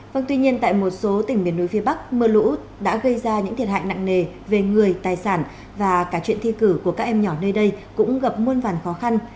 vâng tuy nhiên tại một số tỉnh biển núi phía bắc mưa lũ đã gây ra những thiệt hại nặng nề về người tài sản và cả chuyện thi cử của các em nhỏ nơi đây cũng gặp muôn vàn khó khăn